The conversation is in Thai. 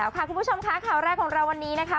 ค่ะคุณผู้ชมค่ะข่าวแรกของเราวันนี้นะคะ